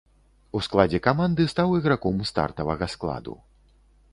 У складзе каманды стаў іграком стартавага складу.